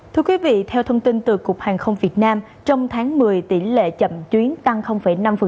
thưa quý vị theo thông tin từ cục hàng không việt nam trong tháng một mươi tỷ lệ chậm chuyến tăng năm